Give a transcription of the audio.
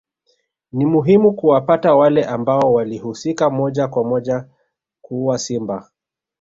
Ni muhimu kuwapata wale ambao walihusika moja kwa moja kuua Simba